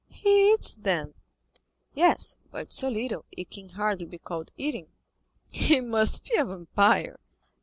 "He eats, then?" "Yes; but so little, it can hardly be called eating." "He must be a vampire."